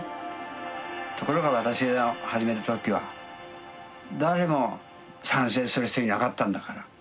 ところが私が始めた時は誰も賛成する人いなかったんだから。